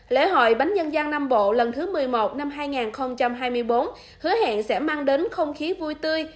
lễ hội bánh dân gian nam bộ lần thứ một mươi một năm hai nghìn hai mươi bốn hứa hẹn sẽ mang đến không khí vui tươi